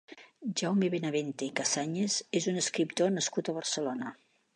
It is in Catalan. Jaume Benavente i Cassanyes és un escriptor nascut a Barcelona.